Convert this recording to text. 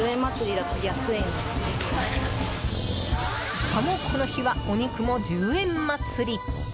しかも、この日はお肉も１０円まつり！